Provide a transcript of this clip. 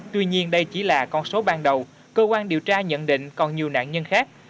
tuy nhiên đây chỉ là con số ban đầu cơ quan điều tra nhận định còn nhiều nạn nhân khác